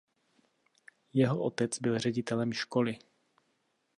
Jeho otec byl ředitelem školy.